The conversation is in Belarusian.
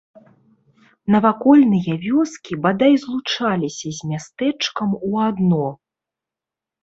Навакольныя вёскі бадай злучаліся з мястэчкам у адно.